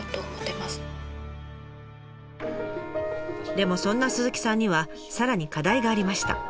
でもそんな鈴木さんにはさらに課題がありました。